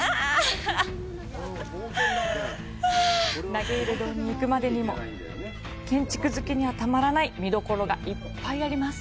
投入堂に行くまでにも建築好きにはたまらない見どころがいっぱいあります。